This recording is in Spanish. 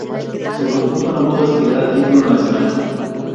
Su conjunto no pudo aspirar al título nacional.